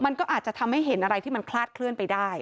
มันก็อาจจะทำให้เห็นอะไรที่มันคลาดเคลื่อนไปได้